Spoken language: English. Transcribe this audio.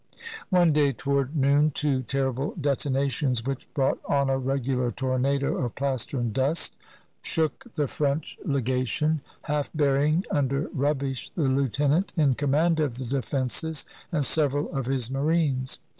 One day, toward noon, two terrible detonations, which brought on a regular tornado of plaster and dust, shook the French 254 WHEN THE ALLIES ENTERED PEKIN Legation, half burying under rubbish the lieutenant in command of the defenses and several of his marines.